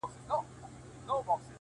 o زنګ وهلی د خوشال د توري شرنګ یم؛